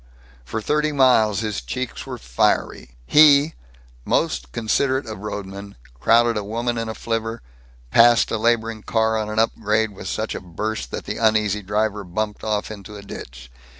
For thirty miles his cheeks were fiery. He, most considerate of roadmen, crowded a woman in a flivver, passed a laboring car on an upgrade with such a burst that the uneasy driver bumped off into a ditch.